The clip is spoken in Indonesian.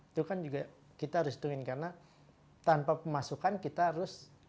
itu kan juga kita harus hitungin karena tanpa pemasukan kita harus